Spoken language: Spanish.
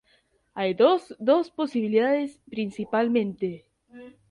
Hay dos dos posibilidades principalmente.